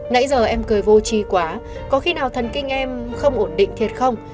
nãy giờ em cười vô trí quá có khi nào thần kinh em không ổn định thiệt không